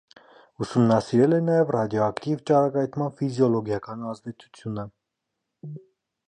Ուսումնասիրել է նաև ռադիոակտիվ ճառագայթման ֆիզիոլոգիական ազդեցությունը։